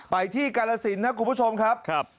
ไปที่กาลสินครับคุณผู้ชมครับ